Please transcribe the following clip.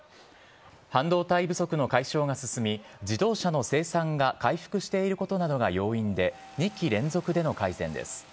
半導体不足の解消が進み、自動車の生産が回復していることなどが要因で、２期連続での改善です。